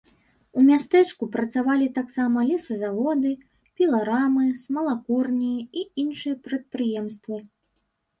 У мястэчку працавалі таксама лесазаводы, піларамы, смалакурні і іншыя прадпрыемствы.